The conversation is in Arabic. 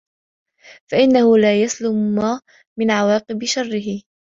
فَإِنَّهُ لَا يُسْلَمُ مِنْ عَوَاقِبِ شَرِّهِ